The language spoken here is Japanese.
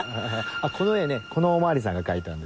この絵ねこのお巡りさんが描いたんですよ。